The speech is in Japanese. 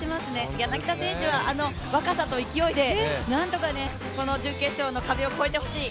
柳田選手はあの若さと勢いで、なんとかこの準決勝の壁を超えてほしい。